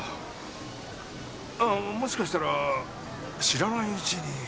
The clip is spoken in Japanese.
あっもしかしたら知らないうちに。